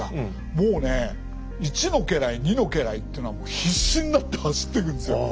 もうね１の家来２の家来っていうのはもう必死になって走ってくんですよ。